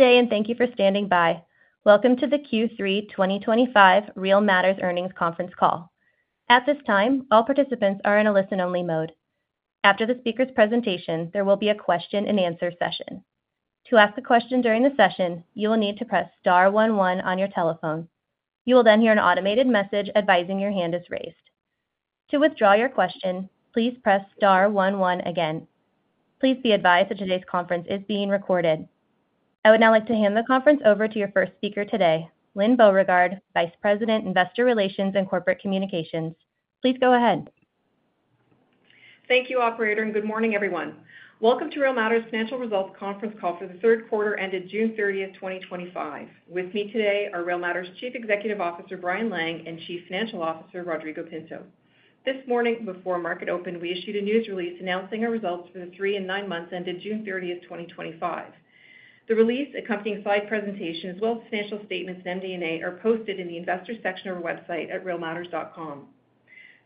Today, and thank you for standing by. Welcome to the Q3 2025 Real Matters Earnings Conference Call. At this time, all participants are in a listen-only mode. After the speaker's presentation, there will be a question and answer session. To ask a question during the session, you will need to press *one one on your telephone. You will then hear an automated message advising your hand is raised. To withdraw your question, please press *one one again. Please be advised that today's conference is being recorded. I would now like to hand the conference over to your first speaker today, Lynne Beauregard, Vice President, Investor Relations and Corporate Communications. Please go ahead. Thank you, Operator, and good morning, everyone. Welcome to Real Matters Financial Results Conference call for the third quarter ended June 30th, 2025. With me today are Real Matters Chief Executive Officer Brian Lang and Chief Financial Officer Rodrigo Pinto. This morning, before market open, we issued a news release announcing our results for the three and nine months ended June 30th, 2025. The release, accompanying slide presentations, as well as financial statements and MD&A, are posted in the Investor section of our website at realmatters.com.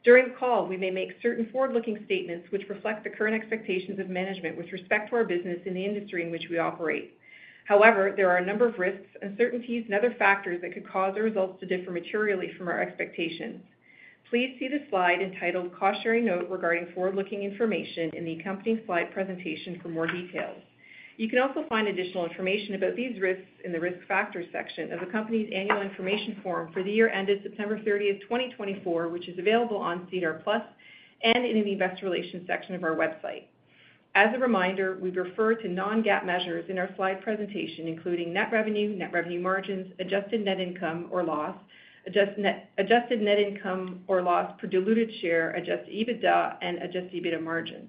During the call, we may make certain forward-looking statements which reflect the current expectations of management with respect to our business in the industry in which we operate. However, there are a number of risks, uncertainties, and other factors that could cause our results to differ materially from our expectations. Please see the slide entitled "Cost Sharing Note Regarding Forward-Looking Information" in the accompanying slide presentation for more details. You can also find additional information about these risks in the Risk Factors section of the company's annual information form for the year ended September 30th, 2024, which is available on CNR Plus and in the Investor Relations section of our website. As a reminder, we refer to non-GAAP measures in our slide presentation, including net revenue, net revenue margins, adjusted net income or loss, adjusted net income or loss per diluted share, adjusted EBITDA, and adjusted EBITDA margins.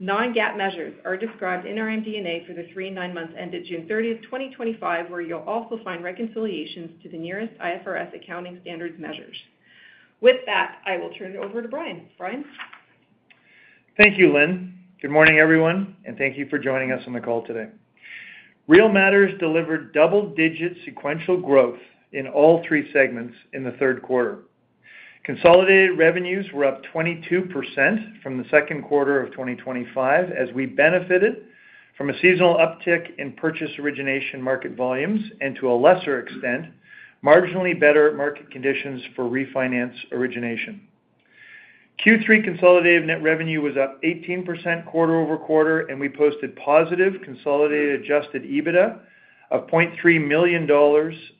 Non-GAAP measures are described in our MD&A for the three and nine months ended June 30th, 2025, where you'll also find reconciliations to the nearest IFRS accounting standards measures. With that, I will turn it over to Brian. Brian? Thank you, Lynne. Good morning, everyone, and thank you for joining us on the call today. Real Matters delivered double-digit sequential growth in all three segments in the third quarter. Consolidated revenues were up 22% from the second quarter of 2025, as we benefited from a seasonal uptick in purchase origination market volumes and, to a lesser extent, marginally better market conditions for refinance origination. Q3 consolidated net revenue was up 18% quarter-over-quarter, and we posted positive consolidated adjusted EBITDA of $0.3 million,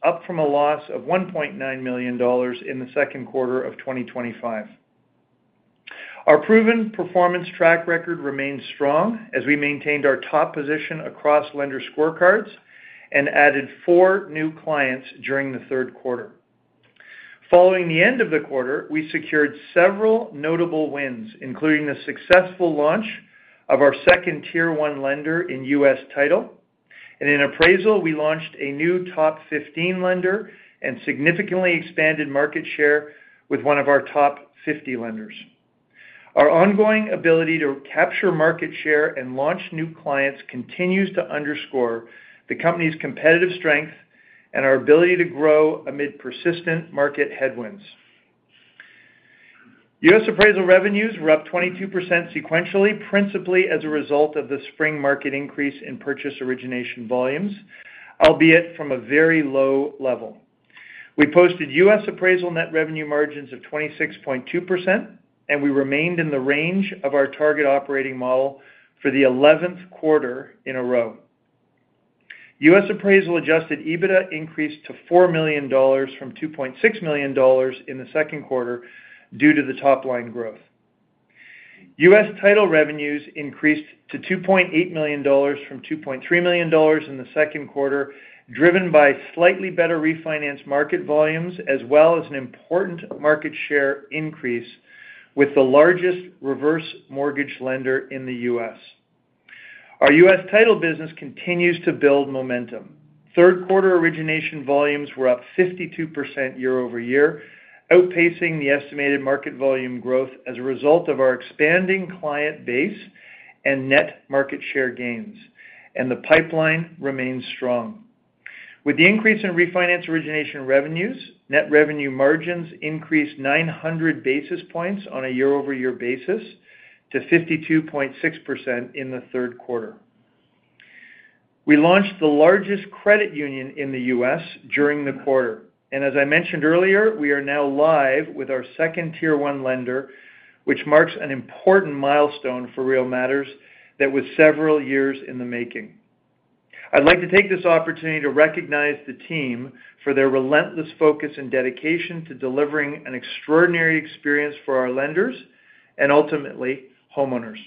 up from a loss of $1.9 million in the second quarter of 2025. Our proven performance track record remains strong, as we maintained our top position across lender scorecards and added four new clients during the third quarter. Following the end of the quarter, we secured several notable wins, including the successful launch of our second tier-one lender in U.S. Title, and in appraisal, we launched a new top 15 lender and significantly expanded market share with one of our top 50 lenders. Our ongoing ability to capture market share and launch new clients continues to underscore the company's competitive strength and our ability to grow amid persistent market headwinds. U.S. Appraisal revenues were up 22% sequentially, principally as a result of the spring market increase in purchase origination volumes, albeit from a very low level. We posted U.S. Appraisal net revenue margins of 26.2%, and we remained in the range of our target operating model for the 11th quarter in a row. U.S. Appraisal adjusted EBITDA increased to $4 million from $2.6 million in the second quarter due to the top-line growth. U.S. Title revenues increased to $2.8 million from $2.3 million in the second quarter, driven by slightly better refinance market volumes, as well as an important market share increase with the largest reverse mortgage lender in the U.S. Our U.S. Title business continues to build momentum. Third quarter origination volumes were up 52% year-over-year, outpacing the estimated market volume growth as a result of our expanding client base and net market share gains, and the pipeline remains strong. With the increase in refinance origination revenues, net revenue margins increased 900 basis points on a year-over-year basis to 52.6% in the third quarter. We launched the largest credit union in the U.S. During the quarter, and as I mentioned earlier, we are now live with our second tier-one lender, which marks an important milestone for Real Matters that was several years in the making. I'd like to take this opportunity to recognize the team for their relentless focus and dedication to delivering an extraordinary experience for our lenders and ultimately homeowners.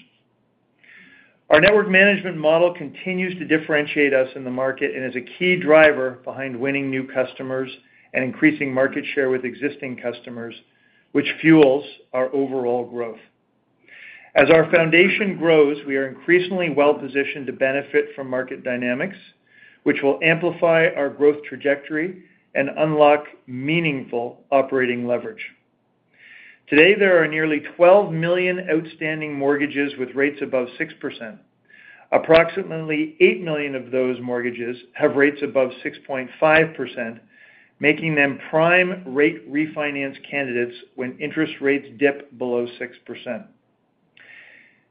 Our network management model continues to differentiate us in the market and is a key driver behind winning new customers and increasing market share with existing customers, which fuels our overall growth. As our foundation grows, we are increasingly well positioned to benefit from market dynamics, which will amplify our growth trajectory and unlock meaningful operating leverage. Today, there are nearly 12 million outstanding mortgages with rates above 6%. Approximately 8 million of those mortgages have rates above 6.5%, making them prime rate refinance candidates when interest rates dip below 6%.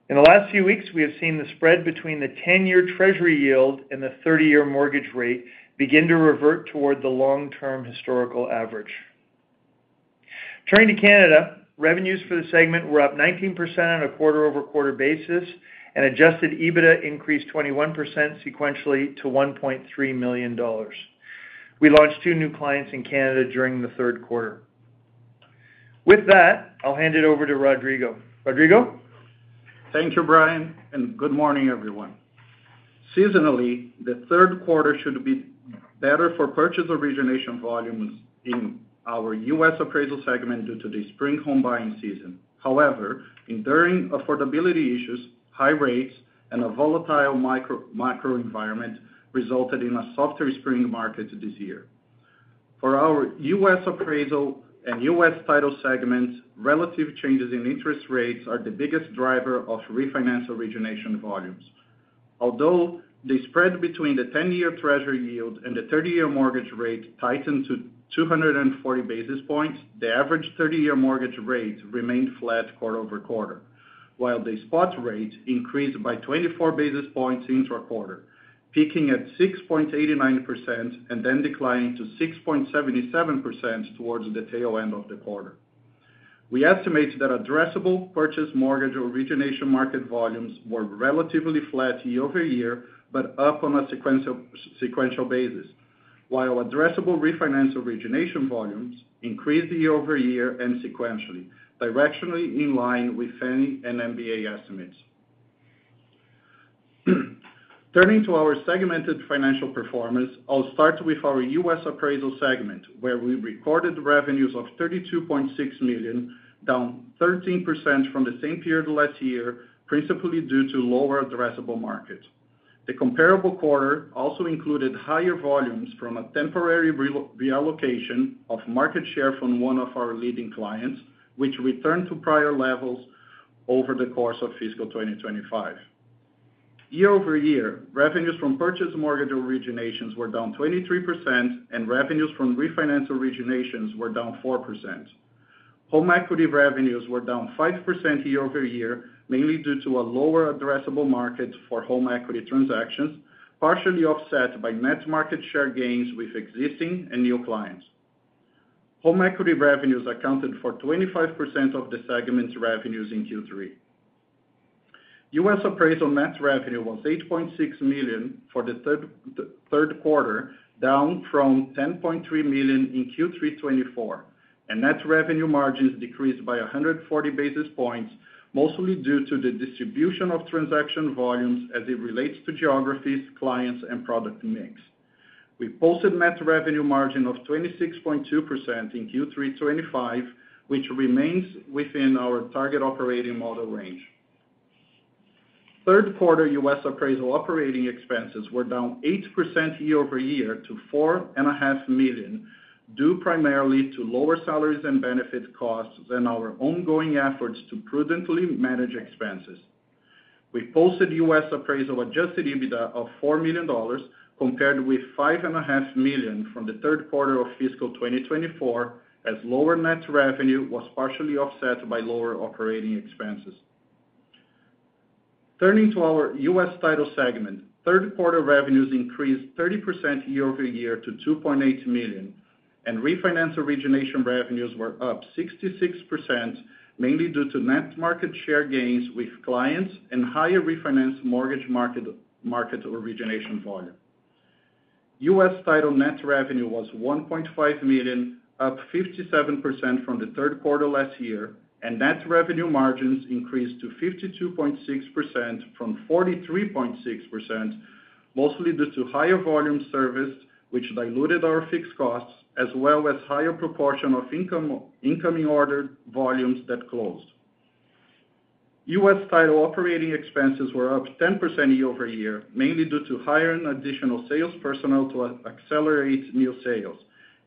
In the last few weeks, we have seen the spread between the 10-year Treasury yield and the 30-year mortgage rate begin to revert toward the long-term historical average. Turning to Canada, revenues for the segment were up 19% on a quarter-over-quarter basis, and adjusted EBITDA increased 21% sequentially to $1.3 million. We launched two new clients in Canada during the third quarter. With that, I'll hand it over to Rodrigo. Rodrigo? Thank you, Brian, and good morning, everyone. Seasonally, the third quarter should be better for purchase origination volumes in our U.S. Appraisal segment due to the spring home buying season. However, enduring affordability issues, high rates, and a volatile macro environment resulted in a softer spring market this year. For our U.S. Appraisal and U.S. Title segments, relative changes in interest rates are the biggest driver of refinance origination volumes. Although the spread between the 10-year Treasury yield and the 30-year mortgage rate tightened to 240 basis points, the average 30-year mortgage rate remained flat quarter-over-quarter, while the spot rate increased by 24 basis points intra-quarter, peaking at 6.89% and then declining to 6.77% towards the tail end of the quarter. We estimate that addressable purchase mortgage origination market volumes were relatively flat year-over- year, but up on a sequential basis, while addressable refinance origination volumes increased year-over-year and sequentially, directionally in line with Fannie and MBA estimates. Turning to our segmented financial performance, I'll start with our U.S. Appraisal segment, where we recorded revenues of $32.6 million, down 13% from the same period last year, principally due to lower addressable market. The comparable quarter also included higher volumes from a temporary reallocation of market share from one of our leading clients, which returned to prior levels over the course of fiscal 2025. Year-over-year, revenues from purchase mortgage originations were down 23%, and revenues from refinance originations were down 4%. Home equity revenues were down 5% year-over-year, mainly due to a lower addressable market for home equity transactions, partially offset by net market share gains with existing and new clients. Home equity revenues accounted for 25% of the segment's revenues in Q3. U.S. Appraisal net revenue was $8.6 million for the third quarter, down from $10.3 million in Q3 2024, and net revenue margins decreased by 140 basis points, mostly due to the distribution of transaction volumes as it relates to geographies, clients, and product mix. We posted a net revenue margin of 26.2% in Q3 2025, which remains within our target operating model range. Third quarter U.S. Appraisal operating expenses were down 8% year-over-year to $4.5 million, due primarily to lower salaries and benefits costs and our ongoing efforts to prudently manage expenses. We posted U.S. Appraisal adjusted EBITDA of $4 million, compared with $5.5 million from the third quarter of fiscal 2024, as lower net revenue was partially offset by lower operating expenses. Turning to our U.S. Title segment, third quarter revenues increased 30% year-over-year to $2.8 million, and refinance origination revenues were up 66%, mainly due to net market share gains with clients and higher refinance mortgage market origination volume. U.S. Title net revenue was $1.5 million, up 57% from the third quarter last year, and net revenue margins increased to 52.6% from 43.6%, mostly due to higher volume serviced, which diluted our fixed costs, as well as a higher proportion of incoming order volumes that closed. U.S. Title operating expenses were up 10% year-over-year, mainly due to hiring additional sales personnel to accelerate new sales,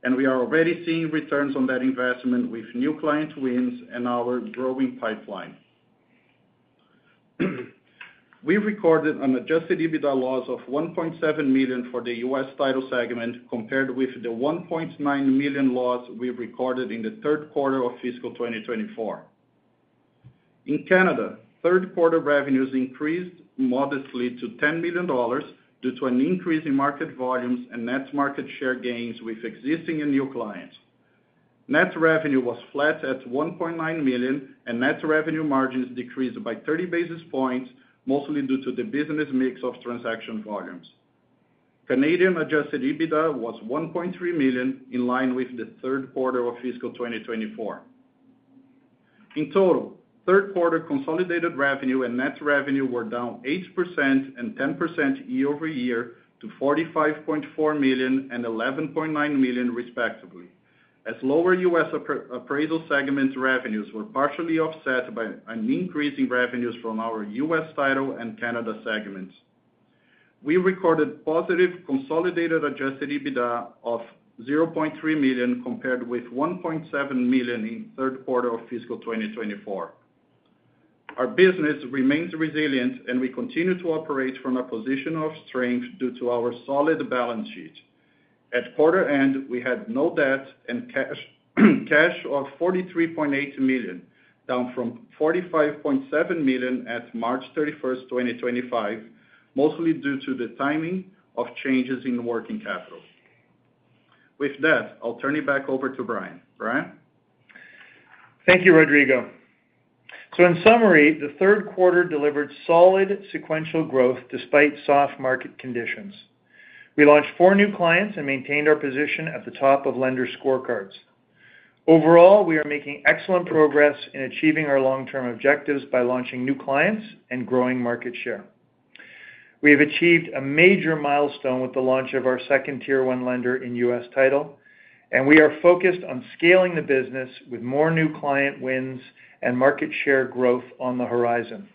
and we are already seeing returns on that investment with new client wins and our growing pipeline. We recorded an adjusted EBITDA loss of $1.7 million for the U.S. Title segment, compared with the $1.9 million loss we recorded in the third quarter of fiscal 2024. In Canada, third quarter revenues increased modestly to $10 million due to an increase in market volumes and net market share gains with existing and new clients. Net revenue was flat at $1.9 million, and net revenue margins decreased by 30 basis points, mostly due to the business mix of transaction volumes. Canadian adjusted EBITDA was $1.3 million, in line with the third quarter of fiscal 2024. In total, third quarter consolidated revenue and net revenue were down 8% and 10% year-over-year to $45.4 million and $11.9 million, respectively, as lower U.S. Appraisal segment revenues were partially offset by an increase in revenues from our U.S. Title and Canada segments. We recorded positive consolidated adjusted EBITDA of $0.3 million, compared with $1.7 million in the third quarter of fiscal 2024. Our business remains resilient, and we continue to operate from a position of strength due to our solid balance sheet. At quarter end, we had no debt and cash of $43.8 million, down from $45.7 million at March 31st, 2025, mostly due to the timing of changes in working capital. With that, I'll turn it back over to Brian. Brian? Thank you, Rodrigo. In summary, the third quarter delivered solid sequential growth despite soft market conditions. We launched four new clients and maintained our position at the top of lender scorecards. Overall, we are making excellent progress in achieving our long-term objectives by launching new clients and growing market share. We have achieved a major milestone with the launch of our second tier-one lender in U.S. Title, and we are focused on scaling the business with more new client wins and market share growth on the horizon.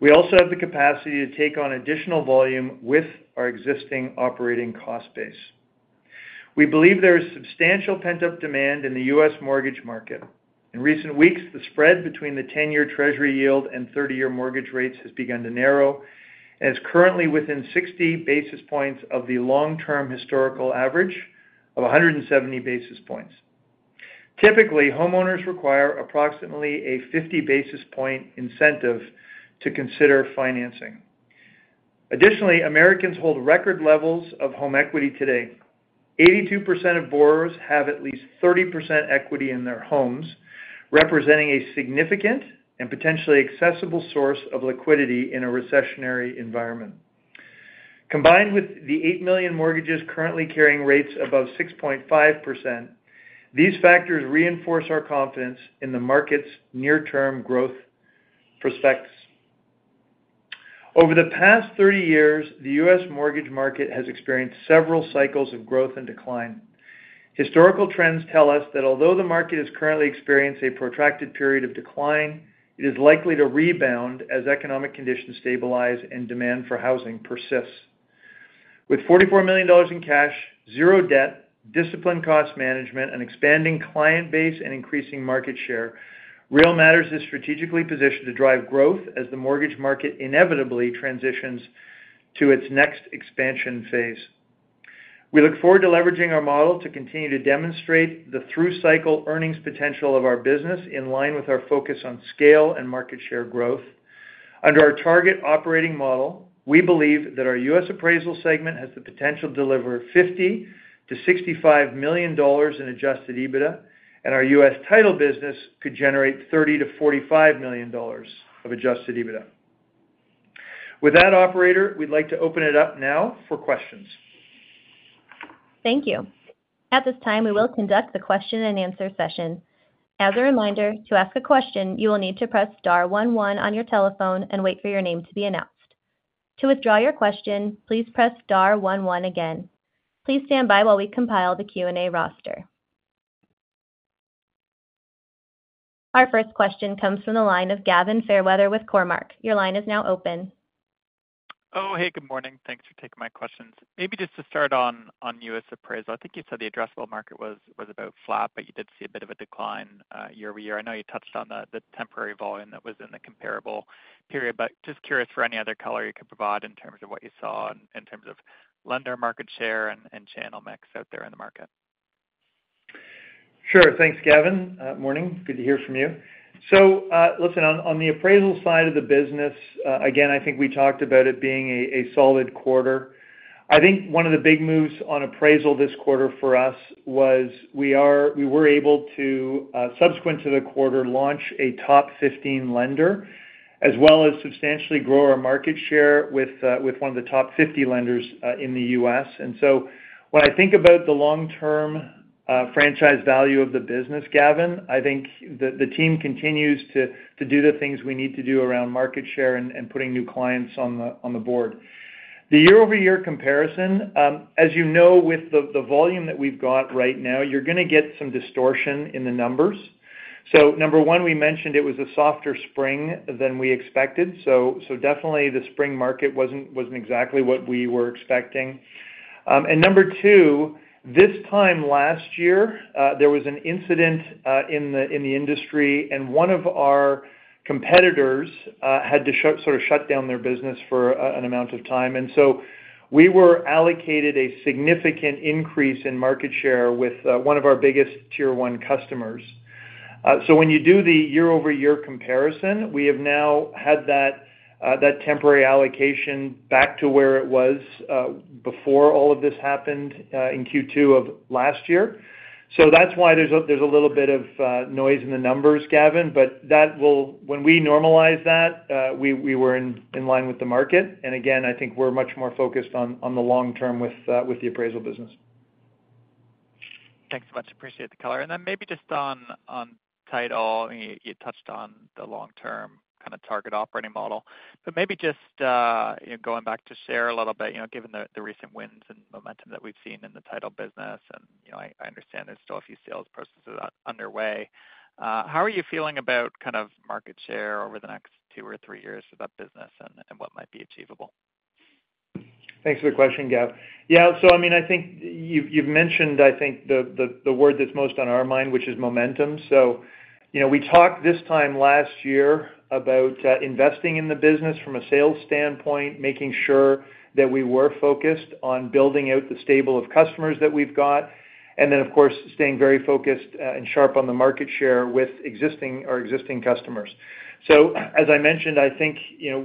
We also have the capacity to take on additional volume with our existing operating cost base. We believe there is substantial pent-up demand in the U.S. mortgage market. In recent weeks, the spread between the 10-year Treasury yield and 30-year mortgage rates has begun to narrow, and is currently within 60 basis points of the long-term historical average of 170 basis points. Typically, homeowners require approximately a 50 basis point incentive to consider financing. Additionally, Americans hold record levels of home equity today. 82% of borrowers have at least 30% equity in their homes, representing a significant and potentially accessible source of liquidity in a recessionary environment. Combined with the 8 million mortgages currently carrying rates above 6.5%, these factors reinforce our confidence in the market's near-term growth prospects. Over the past 30 years, the U.S. mortgage market has experienced several cycles of growth and decline. Historical trends tell us that although the market has currently experienced a protracted period of decline, it is likely to rebound as economic conditions stabilize and demand for housing persists. With $44 million in cash, zero debt, disciplined cost management, an expanding client base, and increasing market share, Real Matters is strategically positioned to drive growth as the mortgage market inevitably transitions to its next expansion phase. We look forward to leveraging our model to continue to demonstrate the through-cycle earnings potential of our business in line with our focus on scale and market share growth. Under our target operating model, we believe that our U.S. Appraisal segment has the potential to deliver $50 to $65 million in adjusted EBITDA, and our U.S. Title business could generate $30-$45 million of adjusted EBITDA. With that, Operator, we'd like to open it up now for questions. Thank you. At this time, we will conduct the question and answer session. As a reminder, to ask a question, you will need to press *one one on your telephone and wait for your name to be announced. To withdraw your question, please press *one one again. Please stand by while we compile the Q&A roster. Our first question comes from the line of Gavin Fairweather with Cormark. Your line is now open. Oh, hey, good morning. Thanks for taking my questions. Maybe just to start on U.S. Appraisal, I think you said the addressable market was about flat, but you did see a bit of a decline year-over-year. I know you touched on the temporary volume that was in the comparable period, but just curious for any other color you could provide in terms of what you saw in terms of lender market share and channel mix out there in the market. Sure, thanks, Gavin. Morning. Good to hear from you. On the appraisal side of the business, again, I think we talked about it being a solid quarter. I think one of the big moves on appraisal this quarter for us was we were able to, subsequent to the quarter, launch a top 15 lender, as well as substantially grow our market share with one of the top 50 lenders in the U.S. When I think about the long-term franchise value of the business, Gavin, I think the team continues to do the things we need to do around market share and putting new clients on the board. The year-over-year comparison, as you know, with the volume that we've got right now, you're going to get some distortion in the numbers. Number one, we mentioned it was a softer spring than we expected. Definitely, the spring market wasn't exactly what we were expecting. Number two, this time last year, there was an incident in the industry, and one of our competitors had to sort of shut down their business for an amount of time. We were allocated a significant increase in market share with one of our biggest tier-one customers. When you do the year-over-year comparison, we have now had that temporary allocation back to where it was before all of this happened in Q2 of last year. That's why there's a little bit of noise in the numbers, Gavin, but that will, when we normalize that, we were in line with the market. I think we're much more focused on the long term with the appraisal business. Thanks so much. Appreciate the color. Maybe just on title, you touched on the long-term kind of target operating model. Maybe just going back to share a little bit, you know, given the recent wins and momentum that we've seen in the title business, and you know, I understand there's still a few sales purchases underway. How are you feeling about kind of market share over the next two or three years for that business and what might be achievable? Thanks for the question, Gav. Yeah, I think you've mentioned the word that's most on our mind, which is momentum. We talked this time last year about investing in the business from a sales standpoint, making sure that we were focused on building out the stable of customers that we've got, and then, of course, staying very focused and sharp on the market share with our existing customers. As I mentioned,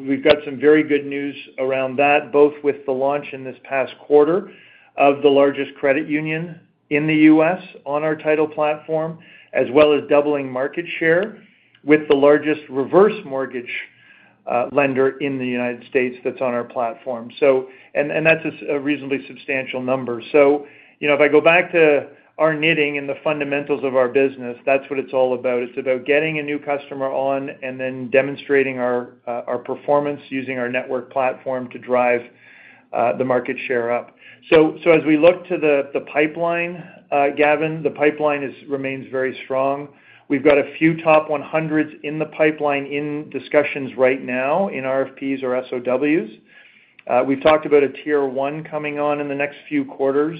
we've got some very good news around that, both with the launch in this past quarter of the largest credit union in the U.S. on our title platform, as well as doubling market share with the largest reverse mortgage lender in the United States that's on our platform. That's a reasonably substantial number. If I go back to our knitting and the fundamentals of our business, that's what it's all about. It's about getting a new customer on and then demonstrating our performance using our network platform to drive the market share up. As we look to the pipeline, Gavin, the pipeline remains very strong. We've got a few top 100s in the pipeline in discussions right now in RFPs or SOWs. We've talked about a tier-one coming on in the next few quarters.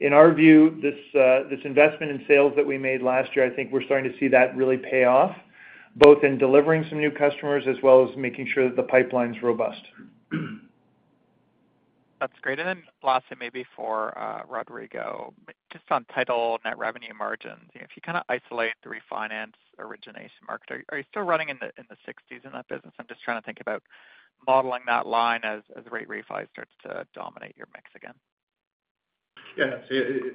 In our view, this investment in sales that we made last year, I think we're starting to see that really pay off, both in delivering some new customers as well as making sure that the pipeline's robust. That's great. Lastly, maybe for Rodrigo, just on title net revenue margins, if you kind of isolate the refinance origination market, are you still running in the 60% in that business? I'm just trying to think about modeling that line as rate refi starts to dominate your mix again. Yeah, absolutely.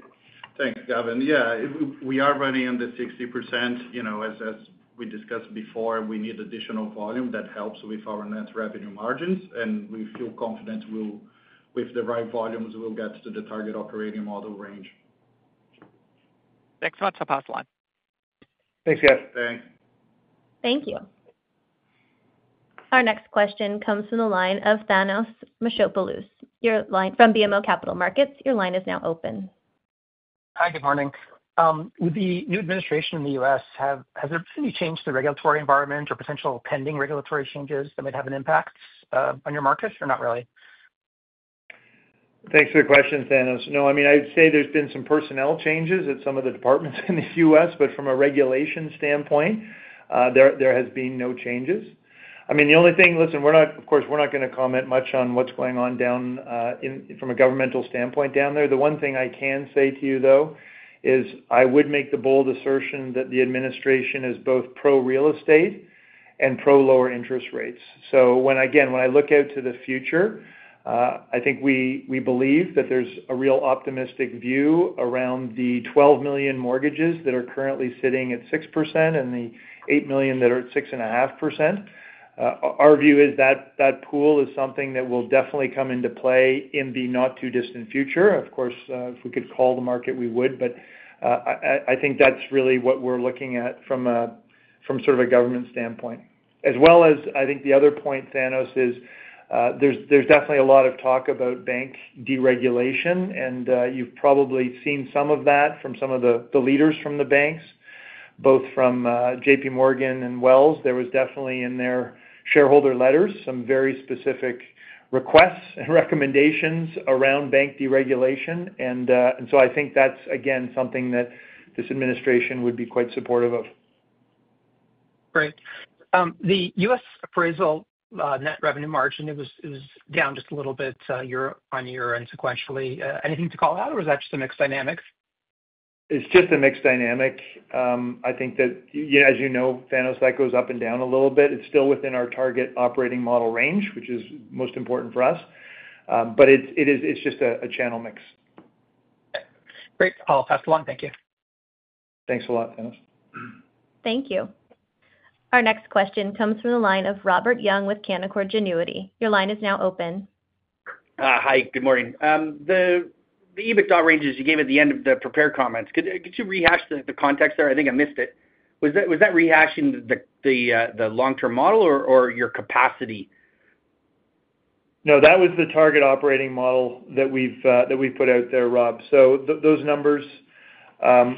Thanks, Gavin. Yeah, we are running in the 60%. You know, as we discussed before, we need additional volume that helps with our net revenue margins, and we feel confident with the right volumes, we'll get to the target operating model range. Thanks so much to both,. Thanks, Gav. Thanks. Thank you. Our next question comes from the line of Thanos Moschopoulos. Your line from BMO Capital Markets. Your line is now open. Hi, good morning. With the new administration in the U.S., has there been any change to the regulatory environment or potential pending regulatory changes that might have an impact on your market, or not really? Thanks for the question, Thanos. I'd say there's been some personnel changes at some of the departments in the U.S., but from a regulation standpoint, there have been no changes. The only thing, listen, of course, we're not going to comment much on what's going on from a governmental standpoint down there. The one thing I can say to you, though, is I would make the bold assertion that the administration is both pro-real estate and pro-lower interest rates. When I look out to the future, I think we believe that there's a real optimistic view around the 12 million mortgages that are currently sitting at 6% and the 8 million that are at 6.5%. Our view is that that pool is something that will definitely come into play in the not-too-distant future. Of course, if we could call the market, we would, but I think that's really what we're looking at from a government standpoint. I think the other point, Thanos, is there's definitely a lot of talk about bank deregulation, and you've probably seen some of that from some of the leaders from the banks, both from JPMorgan and Wells. There was definitely in their shareholder letters some very specific requests and recommendations around bank deregulation, and I think that's, again, something that this administration would be quite supportive of. Great. The U.S. Appraisal net revenue margin, it was down just a little bit year on year and sequentially. Anything to call out, or was that just a mix dynamic? It's just a mixed dynamic. I think that, as you know, Thanos, that goes up and down a little bit. It's still within our target operating model range, which is most important for us, but it's just a channel mix. Great, I'll pass the line. Thank you. Thanks a lot, Thanos. Thank you. Our next question comes from the line of Robert Young with Canaccord Genuity. Your line is now open. Hi, good morning. The EBITDA ranges you gave at the end of the prepared comments, could you rehash the context there? I think I missed it. Was that rehashing the long-term model or your capacity? No, that was the target operating model that we've put out there, Rob. Those numbers are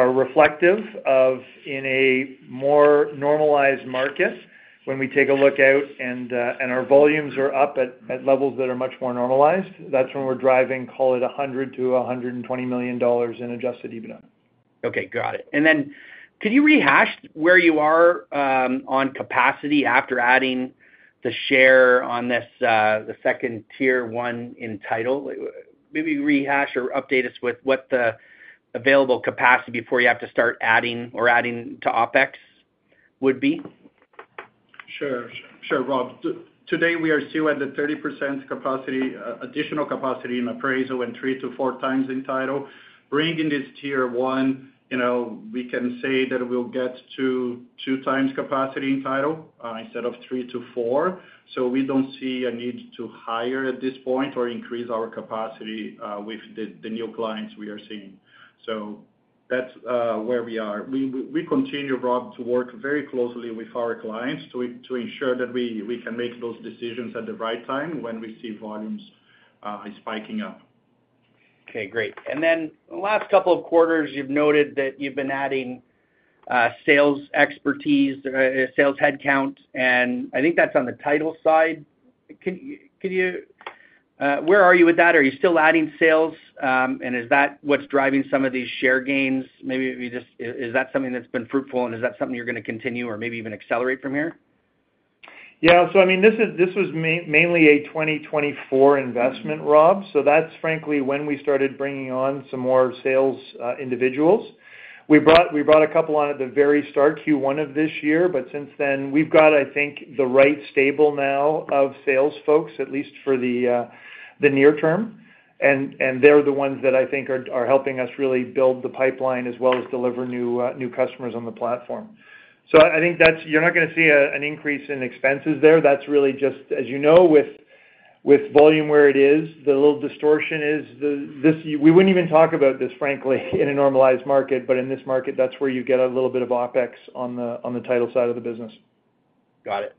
reflective of, in a more normalized market, when we take a look out and our volumes are up at levels that are much more normalized, that's when we're driving, call it $100-$120 million in adjusted EBITDA. Okay, got it. Can you rehash where you are on capacity after adding the share on this, the second tier-one in title? Maybe rehash or update us with what the available capacity before you have to start adding or adding to OpEx would be? Sure, Rob. Today, we are still at the 30% capacity, additional capacity in appraisal and three to four times in title. Bringing this tier-one, you know, we can say that we'll get to two times capacity in title instead of three to four. We don't see a need to hire at this point or increase our capacity with the new clients we are seeing. That's where we are. We continue, Rob, to work very closely with our clients to ensure that we can make those decisions at the right time when we see volumes spiking up. Okay, great. The last couple of quarters, you've noted that you've been adding sales expertise, sales headcount, and I think that's on the title side. Where are you with that? Are you still adding sales, and is that what's driving some of these share gains? Maybe just, is that something that's been fruitful, and is that something you're going to continue or maybe even accelerate from here? Yeah, this was mainly a 2024 investment, Rob. That's, frankly, when we started bringing on some more sales individuals. We brought a couple on at the very start, Q1 of this year, but since then, we've got, I think, the right stable now of sales folks, at least for the near term. They're the ones that I think are helping us really build the pipeline as well as deliver new customers on the platform. I think you're not going to see an increase in expenses there. That's really just, as you know, with volume where it is, the little distortion is, we wouldn't even talk about this, frankly, in a normalized market. In this market, that's where you get a little bit of OpEx on the title side of the business. Got it.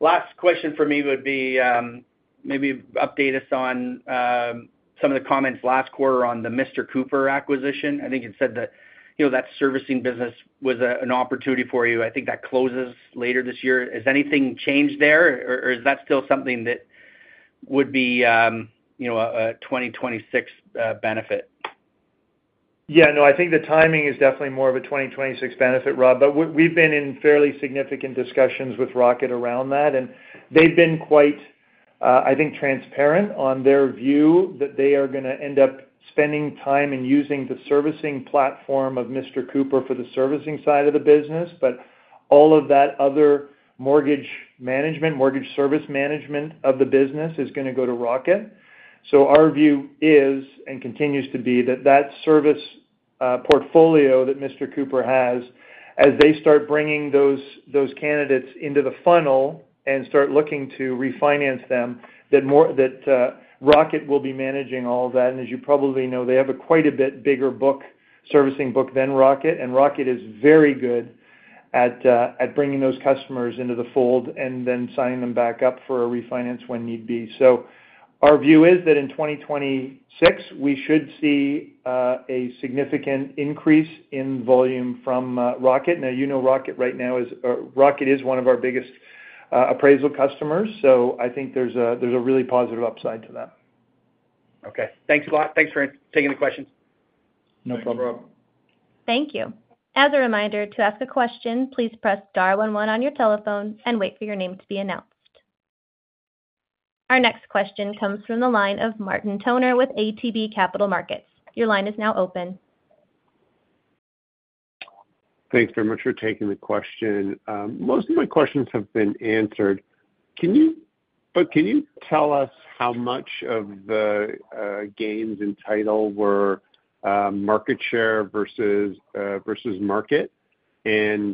Last question for me would be, maybe update us on some of the comments last quarter on the Mr. Cooper acquisition. I think you said that, you know, that servicing business was an opportunity for you. I think that closes later this year. Has anything changed there, or is that still something that would be, you know, a 2026 benefit? Yeah, no, I think the timing is definitely more of a 2026 benefit, Rob, but we've been in fairly significant discussions with Rocket around that, and they've been quite, I think, transparent on their view that they are going to end up spending time and using the servicing platform of Mr. Cooper for the servicing side of the business. All of that other mortgage management, mortgage service management of the business is going to go to Rocket. Our view is, and continues to be, that that service portfolio that Mr. Cooper has, as they start bringing those candidates into the funnel and start looking to refinance them, that Rocket will be managing all of that. As you probably know, they have a quite a bit bigger servicing book than Rocket, and Rocket is very good at bringing those customers into the fold and then signing them back up for a refinance when need be. Our view is that in 2026, we should see a significant increase in volume from Rocket. You know, Rocket right now is, Rocket is one of our biggest appraisal customers. I think there's a really positive upside to that. Okay, thanks a lot. Thanks for taking the questions. No problem. Thank you. As a reminder, to ask a question, please press *one one on your telephone and wait for your name to be announced. Our next question comes from the line of Martin Toner with ATB Capital Markets. Your line is now open. Thanks very much for taking the question. Most of my questions have been answered. Can you tell us how much of the gains in title were market share versus market, and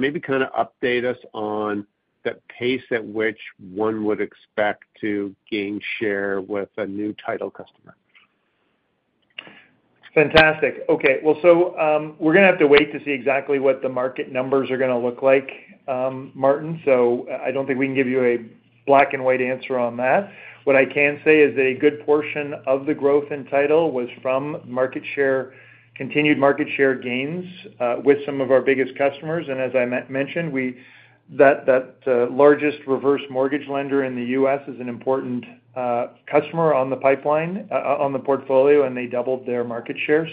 maybe kind of update us on the pace at which one would expect to gain share with a new title customer. Fantastic. Okay, we're going to have to wait to see exactly what the market numbers are going to look like, Martin. I don't think we can give you a black and white answer on that. What I can say is that a good portion of the growth in title was from market share, continued market share gains with some of our biggest customers. As I mentioned, that largest reverse mortgage lender in the U.S. is an important customer on the pipeline, on the portfolio, and they doubled their market share.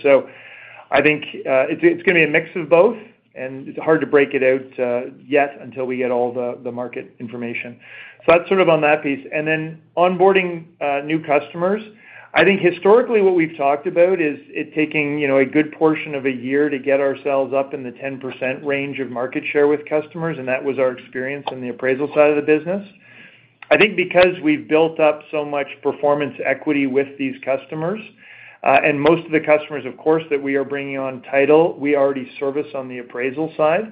I think it's going to be a mix of both, and it's hard to break it out yet until we get all the market information. That's sort of on that piece. On onboarding new customers, I think historically what we've talked about is it taking a good portion of a year to get ourselves up in the 10% range of market share with customers, and that was our experience in the appraisal side of the business. I think because we've built up so much performance equity with these customers, and most of the customers, of course, that we are bringing on title, we already service on the appraisal side.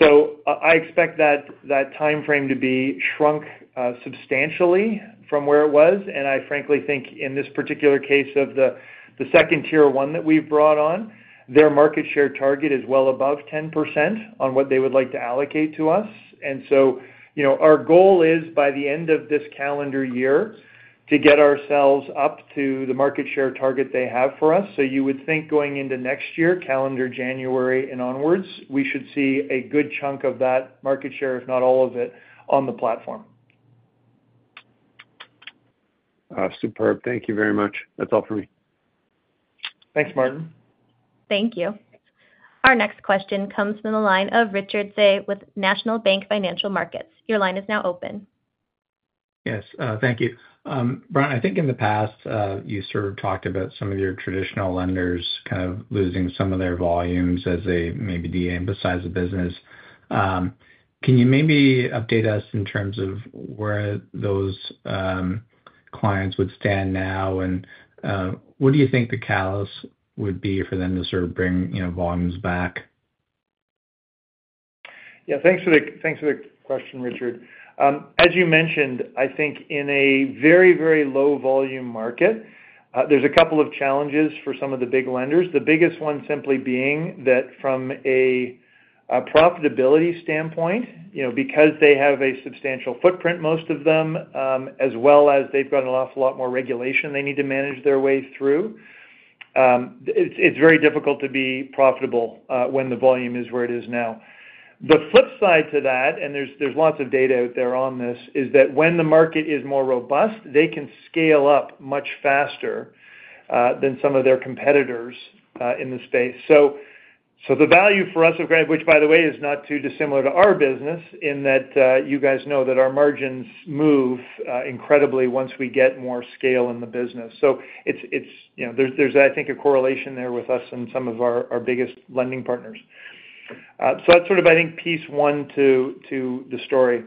I expect that that timeframe to be shrunk substantially from where it was. I frankly think in this particular case of the second tier-one lender that we've brought on, their market share target is well above 10% on what they would like to allocate to us. Our goal is by the end of this calendar year to get ourselves up to the market share target they have for us. You would think going into next year, calendar January and onwards, we should see a good chunk of that market share, if not all of it, on the platform. Superb. Thank you very much. That's all for me. Thanks, Martin. Thank you. Our next question comes from the line of Richard Tse with National Bank Financial Markets. Your line is now open. Yes, thank you. Brian, I think in the past you sort of talked about some of your traditional lenders kind of losing some of their volumes as they maybe de-emphasize the business. Can you maybe update us in terms of where those clients would stand now, and what do you think the catalyst would be for them to sort of bring volumes back? Yeah, thanks for the question, Richard. As you mentioned, I think in a very, very low volume market, there's a couple of challenges for some of the big lenders. The biggest one simply being that from a profitability standpoint, you know, because they have a substantial footprint, most of them, as well as they've got an awful lot more regulation they need to manage their way through, it's very difficult to be profitable when the volume is where it is now. The flip side to that, and there's lots of data out there on this, is that when the market is more robust, they can scale up much faster than some of their competitors in the space. The value for us, which by the way is not too dissimilar to our business in that you guys know that our margins move incredibly once we get more scale in the business. There's, I think, a correlation there with us and some of our biggest lending partners. That's sort of, I think, piece one to the story.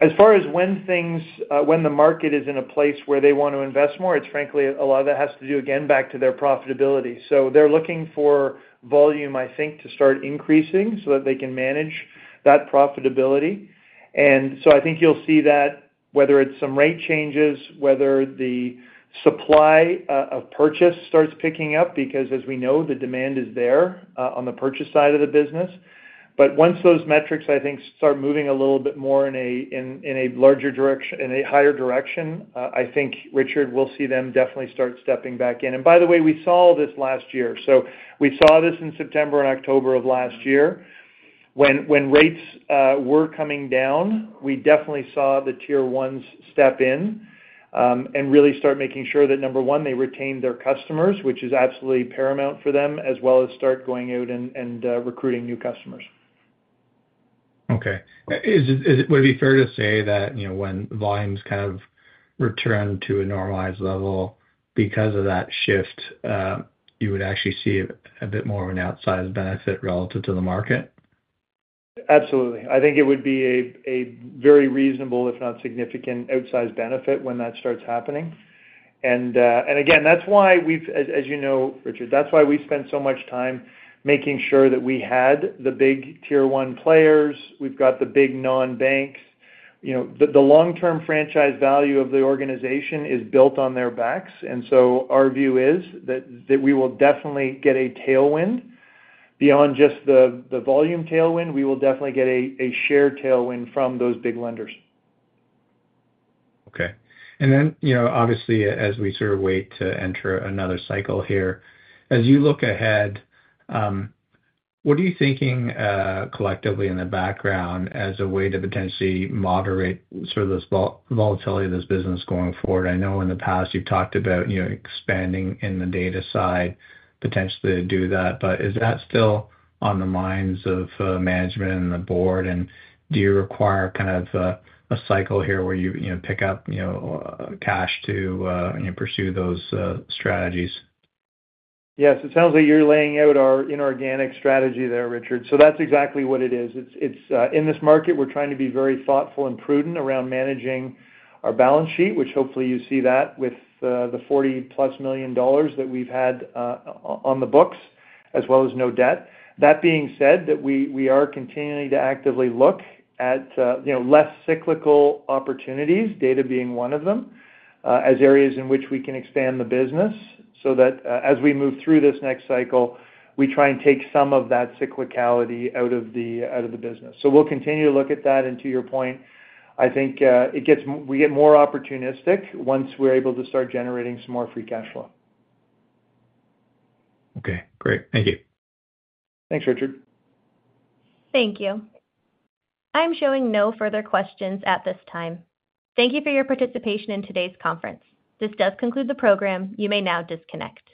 As far as when the market is in a place where they want to invest more, it's frankly a lot of that has to do again back to their profitability. They're looking for volume, I think, to start increasing so that they can manage that profitability. I think you'll see that whether it's some rate changes, whether the supply of purchase starts picking up because as we know, the demand is there on the purchase side of the business. Once those metrics, I think, start moving a little bit more in a larger direction, in a higher direction, I think, Richard, we'll see them definitely start stepping back in. By the way, we saw this last year. We saw this in September and October of last year. When rates were coming down, we definitely saw the tier-one lenders step in and really start making sure that, number one, they retain their customers, which is absolutely paramount for them, as well as start going out and recruiting new customers. Okay. Would it be fair to say that, you know, when volumes kind of return to a normalized level because of that shift, you would actually see a bit more of an outsized benefit relative to the market? Absolutely. I think it would be a very reasonable, if not significant, outsized benefit when that starts happening. That's why we've, as you know, Richard, that's why we spent so much time making sure that we had the big tier-one players. We've got the big non-banks. The long-term franchise value of the organization is built on their backs. Our view is that we will definitely get a tailwind beyond just the volume tailwind. We will definitely get a share tailwind from those big lenders. Okay. As we sort of wait to enter another cycle here, as you look ahead, what are you thinking collectively in the background as a way to potentially moderate this volatility of this business going forward? I know in the past you've talked about expanding in the data side, potentially to do that, but is that still on the minds of management and the board? Do you require kind of a cycle here where you pick up cash to pursue those strategies? Yes, it sounds like you're laying out our inorganic strategy there, Richard. That's exactly what it is. In this market, we're trying to be very thoughtful and prudent around managing our balance sheet, which hopefully you see with the $40+ million that we've had on the books, as well as no debt. That being said, we are continuing to actively look at less cyclical opportunities, data being one of them, as areas in which we can expand the business so that as we move through this next cycle, we try and take some of that cyclicality out of the business. We'll continue to look at that. To your point, I think we get more opportunistic once we're able to start generating some more free cash flow. Okay, great. Thank you. Thanks, Richard. Thank you. I'm showing no further questions at this time. Thank you for your participation in today's conference. This does conclude the program. You may now disconnect.